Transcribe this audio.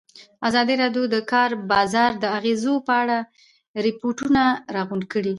ازادي راډیو د د کار بازار د اغېزو په اړه ریپوټونه راغونډ کړي.